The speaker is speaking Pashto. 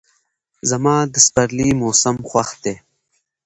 زما د سپرلي موسم خوښ دی.